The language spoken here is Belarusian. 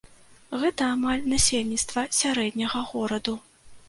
Гэта амаль насельніцтва сярэдняга гораду.